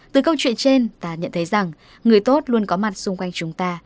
từ câu chuyện trên ta nhận thấy rằng người tốt luôn có mặt xung quanh chúng ta